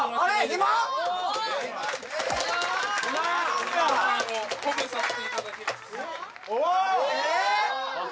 ・肥満皆さんを鼓舞させていただきます・おっ！